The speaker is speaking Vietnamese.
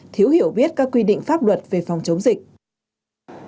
thiếu hiểu biết các quy định pháp luật về phòng chống dịch